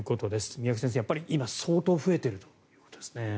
三宅先生、やっぱり今相当増えているということですね。